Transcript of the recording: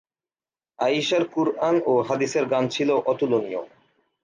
আয়িশার কুরআন ও হাদিসের জ্ঞান ছিল অতুলনীয়।